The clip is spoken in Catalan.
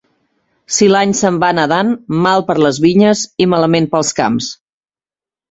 Si l'any se'n va nedant, mal per les vinyes i malament pels camps.